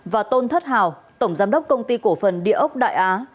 và tôn thất hào tổng giám đốc công ty cổ phần địa ốc đại á